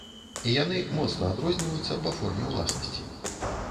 І яны моцна адрозніваюцца па форме ўласнасці.